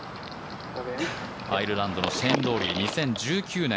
アイルランドのシェーン・ロウリー２０１９年